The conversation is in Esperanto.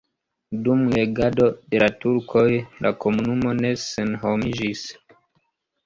Dum regado de la turkoj la komunumo ne senhomiĝis.